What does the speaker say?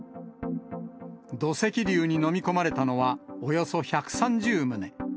土石流に飲み込まれたのは、およそ１３０棟。